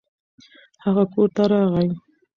هغه کور ته راغی.